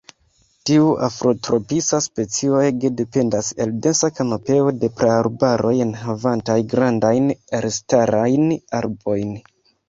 Tiu afrotropisa specio ege dependas el densa kanopeo de praarbaroj enhavantaj grandajn elstarajn arbojn.